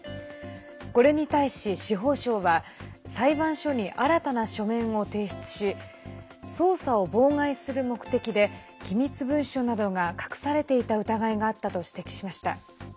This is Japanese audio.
これに対し、司法省は裁判所に新たな書面を提出し捜査を妨害する目的で機密文書などが隠されていた疑いがあったと指摘しました。